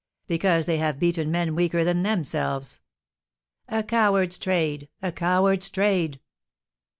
"Because they have beaten men weaker than themselves." "A coward's trade, a coward's trade!"